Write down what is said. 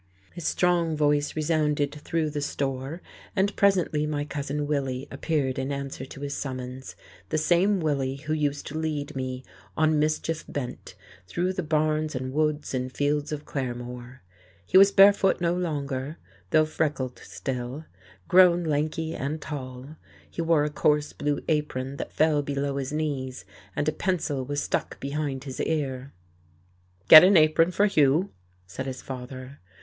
His strong voice resounded through the store, and presently my cousin Willie appeared in answer to his summons, the same Willie who used to lead me, on mischief bent, through the barns and woods and fields of Claremore. He was barefoot no longer, though freckled still, grown lanky and tall; he wore a coarse blue apron that fell below his knees, and a pencil was stuck behind his ear. "Get an apron for Hugh," said his father.